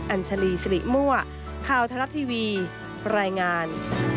อัญชลีศรีมั่วข่าวทรัพย์ทีวีรายงาน